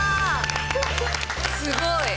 すごい。